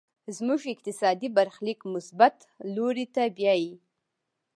زموږ اقتصادي برخليک مثبت لوري ته بيايي.